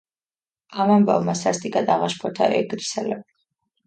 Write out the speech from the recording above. ამ ამბავმა სასტიკად აღაშფოთა ეგრისელები.